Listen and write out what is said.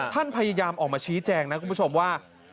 ท่านพยายามออกมาชี้แจงนะคุณผู้ชมว่า